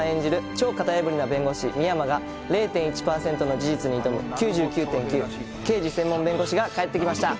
超型破りな弁護士・深山が０．１％の事実に挑む「９９．９−刑事専門弁護士−」が帰ってきました